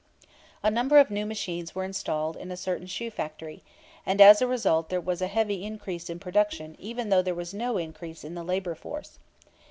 A number of new machines were installed in a certain shoe factory, and as a result there was a heavy increase in production even though there was no increase in the labor force.